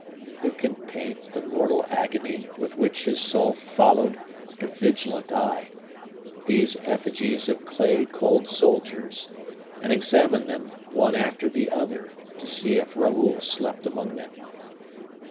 Who can paint the mortal agony with which his soul followed, like a vigilant eye, these effigies of clay cold soldiers, and examined them, one after the other, to see if Raoul slept among them?